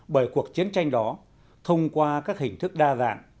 bởi cuộc chiến tranh đó thông qua các hình thức đa dạng